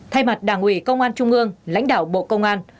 thay mặt đảng ủy công an trung ương lãnh đạo bộ công an